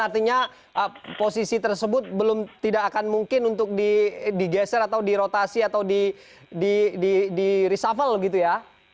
artinya posisi tersebut belum tidak akan mungkin untuk digeser atau dirotasi atau di reshuffle gitu ya